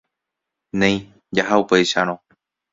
Néi, jaha upéicharõ.